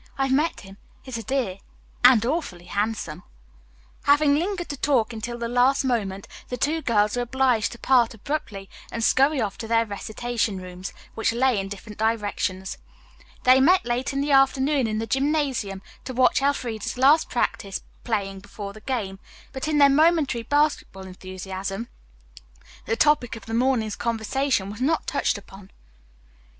I've met him. He's a dear, and awfully handsome." Having lingered to talk until the last moment the two girls were obliged to part abruptly and scurry off to their recitation rooms, which lay in different directions. They met late in the afternoon in the gymnasium to watch Elfreda's last practice playing before the game, but in their momentary basketball enthusiasm the topic of the morning's conversation was not touched upon.